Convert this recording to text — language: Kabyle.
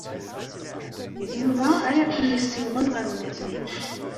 D Yuba ara ken-yessiwḍen ɣer unafag.